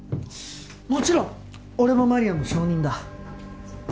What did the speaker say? もちろん俺もマリアも承認だ。